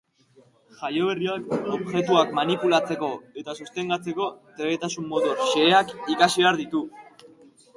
Jaioberriak objektuak manipulatzeko eta sostengatzeko trebetasun motor xeheak ikasi behar ditu.